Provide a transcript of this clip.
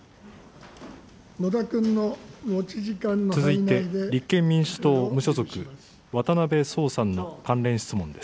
続いて立憲民主党・無所属、渡辺創さんの関連質問です。